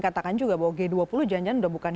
katakan juga bahwa g dua puluh janjian sudah bukan